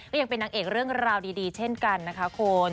ยังเป็นนางเอกเรื่องราวดีเช่นกันนะคะคุณ